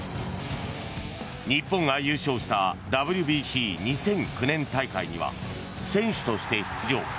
日本が優勝したＷＢＣ２００９年大会には選手として出場。